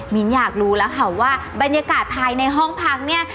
อยากรู้แล้วค่ะว่าบรรยากาศภายในห้องพักเนี่ย